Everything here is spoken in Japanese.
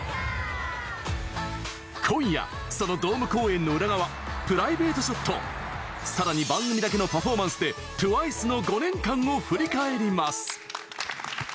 今夜、そのドーム公演の裏側プライベートショットさらに番組だけのパフォーマンスでＴＷＩＣＥの５年間を振り返ります。